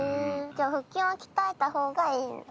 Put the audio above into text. じゃあ腹筋は鍛えたほうがいいんだ。